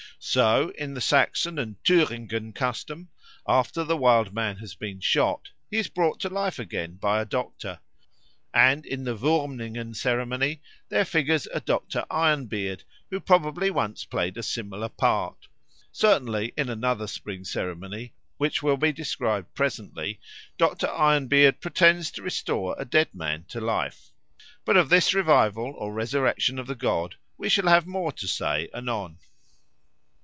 So in the Saxon and Thüringen custom, after the Wild Man has been shot he is brought to life again by a doctor; and in the Wurmlingen ceremony there figures a Dr. Iron Beard, who probably once played a similar part; certainly in another spring ceremony, which will be described presently, Dr. Iron Beard pretends to restore a dead man to life. But of this revival or resurrection of the god we shall have more to say anon.